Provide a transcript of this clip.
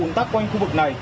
ún tắc quanh khu vực này